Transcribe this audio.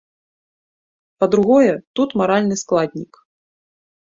Па-другое, тут маральны складнік.